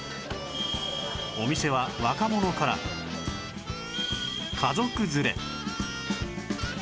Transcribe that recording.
お店は若者から家族連れ